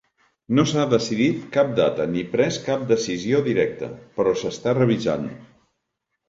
No s'ha decidit cap data ni pres cap decisió directa, però s'està revisant.